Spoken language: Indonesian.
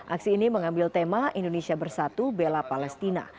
aksi ini mengambil tema indonesia bersatu bela palestina